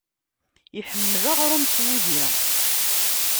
Iḥemmel aɣrum s wudi.